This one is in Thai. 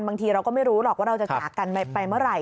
บางทีเราก็ไม่รู้หรอกว่าเราจะจากกันไปเมื่อไหร่